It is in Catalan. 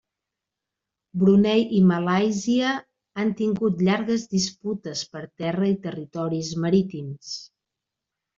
Brunei i Malàisia han tingut llargues disputes per terra i territoris marítims.